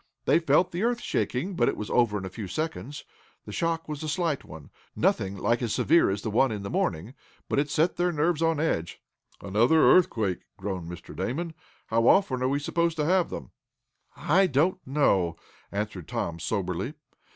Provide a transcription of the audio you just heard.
They felt the earth shaking, but it was over in a few seconds. The shock was a slight one, nothing like as severe as the one in the morning. But it set their nerves on edge. "Another earthquake!" groaned Mr. Damon. "How often are we to have them?" "I don't know," answered Tom, soberly.